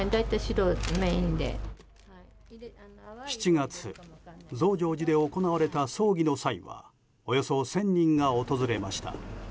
７月、増上寺で行われた葬儀の際はおよそ１０００人が訪れました。